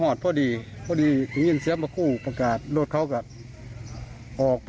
รถหยุดรถผมก็คิดเปิดประตูออก